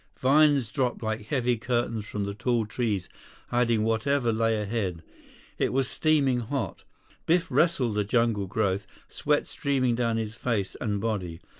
Vines dropped like heavy curtains from the tall trees hiding whatever lay ahead. It was steaming hot. Biff wrestled the jungle growth, sweat streaming down his face and body.